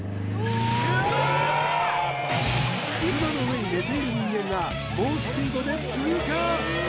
車の上に寝ている人間が猛スピードで通過！